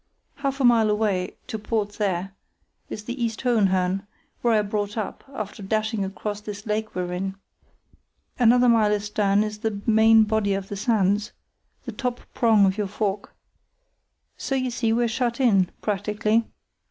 Half a mile away—to port there—is the East Hohenhörn, where I brought up, after dashing across this lake we're in. Another mile astern is the main body of the sands, the top prong of your fork. So you see we're shut in—practically.